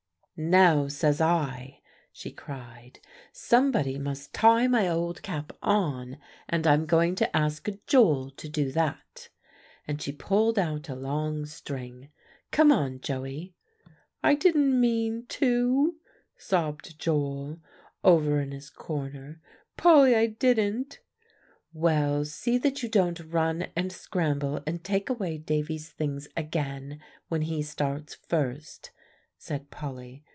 "Now says I," she cried, "somebody must tie my old cap on, and I'm going to ask Joel to do that." And she pulled out a long string. "Come on, Joey." "I didn't mean to," sobbed Joel, over in his corner. "Polly, I didn't." "Well, see that you don't run and scramble and take away Davie's things again when he starts first," said Polly.